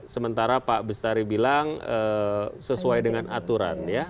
sementara pak bestari bilang sesuai dengan aturan ya